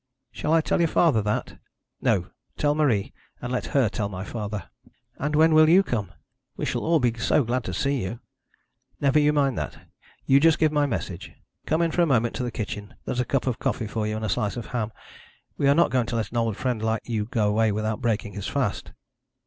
'Shall I tell your father that?' 'No. Tell Marie, and let her tell my father.' 'And when will you come? We shall all be so glad to see you.' 'Never you mind that. You just give my message. Come in for a moment to the kitchen. There's a cup of coffee for you and a slice of ham. We are not going to let an old friend like you go away without breaking his fast.'